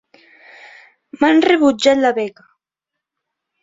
M'han rebutjat la beca.